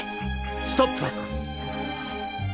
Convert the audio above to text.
ストップ！